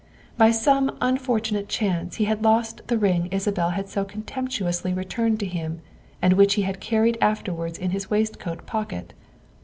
By some unfortunate chance he had lost the ring Isa bel had so contemptuously returned him and which he had carried afterwards in his waistcoat pocket.